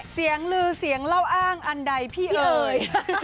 เสียงลือเสียงเล่าอ้างอันใดพี่เอ๋ย